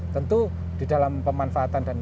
tentu di dalam pemanfaatan dan